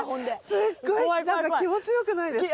すっごい気持ち良くないですか？